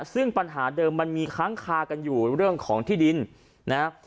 ซึ่งปัญหาเดิมมันมีค้างคากันอยู่เรื่องของที่ดินนะครับ